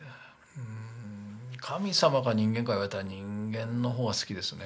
神様か人間か言われたら人間の方が好きですね。